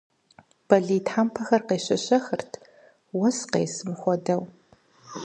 Бэлий тхьэмпэхэр къещэщэхырт, уэс къесым хуэдэу.